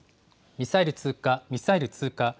ミサイル通過、ミサイル通過。